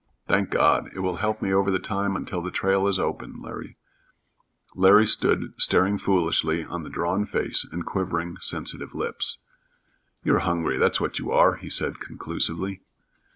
"Thank God. It will help me over the time until the trail is open." Larry stood staring foolishly on the drawn face and quivering, sensitive lips. "You're hungry, that's what you are," he said conclusively.